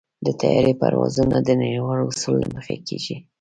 د طیارې پروازونه د نړیوالو اصولو له مخې کېږي.